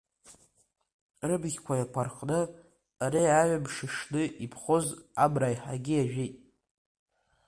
Рыбӷьқәа еикәарҳәны, ари аҩымш ишны иԥхоз амра еиҳагьы иажәит.